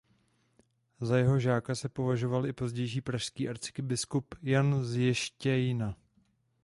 Za jeho žáka se považoval i pozdější pražský arcibiskup Jan z Jenštejna.